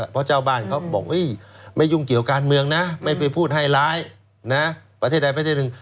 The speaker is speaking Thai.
เพราะเจ้าบ้านเขาบอกไม่ยุ่งเกี่ยวการเมืองนะไม่ไปพูดให้ร้ายนะประเทศใดประเทศหนึ่ง